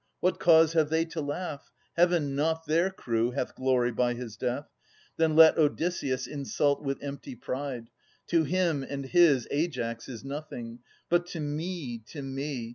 What cause have they to laugh ? Heaven, not their crew, Hath glory by his death. Then let Odysseus Insult with empty pride. To him and his Aias is nothing; but to me, to me.